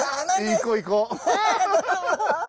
行こう行こう。